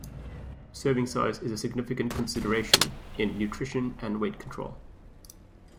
Serving size is a significant consideration in nutrition and weight control.